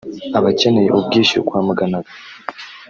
abakeneye ubwishyu kwa muganaga